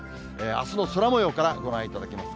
あすの空もようからご覧いただきます。